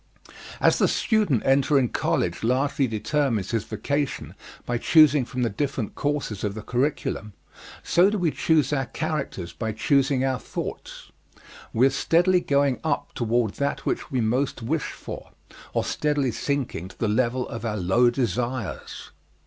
As the student entering college largely determines his vocation by choosing from the different courses of the curriculum, so do we choose our characters by choosing our thoughts. We are steadily going up toward that which we most wish for, or steadily sinking to the level of our low desires.